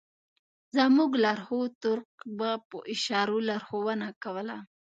زموږ لارښود تُرک به په اشارو لارښوونه کوله.